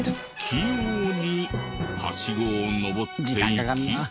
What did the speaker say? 器用にはしごを登っていき。